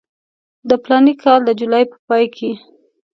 د فلاني کال د جولای په پای کې.